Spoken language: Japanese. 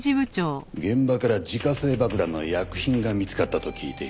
現場から自家製爆弾の薬品が見つかったと聞いています。